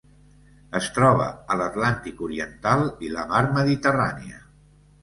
Es troba a l'Atlàntic oriental i la mar Mediterrània.